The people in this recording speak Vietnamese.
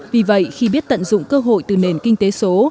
vì vậy khi biết tận dụng cơ hội từ nền kinh tế số